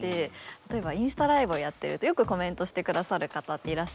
例えばインスタライブをやってるとよくコメントしてくださる方っていらっしゃるんですね。